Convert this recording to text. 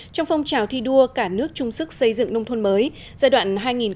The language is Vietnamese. trong phong trào thi đua cả nước chung sức xây dựng nông thôn mới giai đoạn hai nghìn một mươi sáu hai nghìn hai mươi